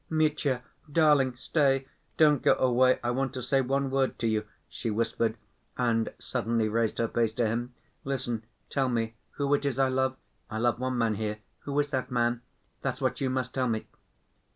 "Mitya, darling, stay, don't go away. I want to say one word to you," she whispered, and suddenly raised her face to him. "Listen, tell me who it is I love? I love one man here. Who is that man? That's what you must tell me."